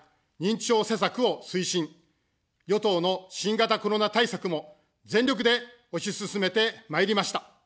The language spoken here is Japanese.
与党の新型コロナ対策も、全力で推し進めてまいりました。